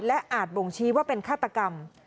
และอาจบ่งชี้ว่าเป็นฆาตกรรม